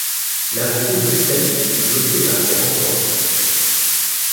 L'avancée britannique fut bloquée par ces renforts.